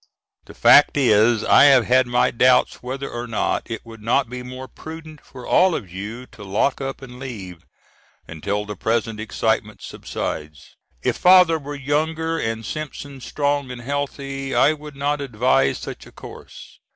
The fact is I have had my doubts whether or not it would not be more prudent for all of you to lock up and leave, until the present excitement subsides. If father were younger and Simpson strong and healthy, I would not advise such a course.